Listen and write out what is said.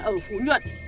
ở phú nhuận